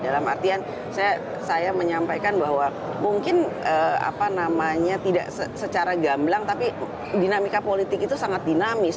dalam artian saya menyampaikan bahwa mungkin apa namanya tidak secara gamblang tapi dinamika politik itu sangat dinamis